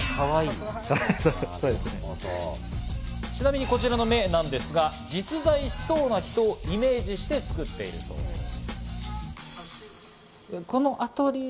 ちなみにこちらの目なんですが、実在しそうな人をイメージして作っているそうです。